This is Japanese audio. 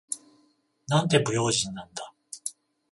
なんて不用心なんだ。